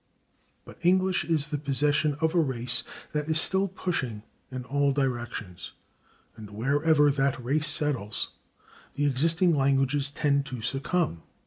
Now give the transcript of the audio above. But English is the possession of a race that is still pushing in all directions, and wherever that race settles the existing languages tend to succumb.